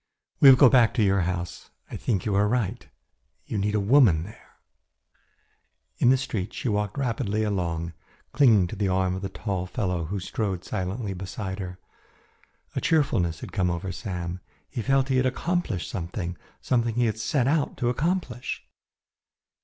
"We will go back to your house. I think you are right. You need a woman there." In the street she walked rapidly along, clinging to the arm of the tall fellow who strode silently beside her. A cheerfulness had come over Sam. He felt he had accomplished something something he had set out to accomplish.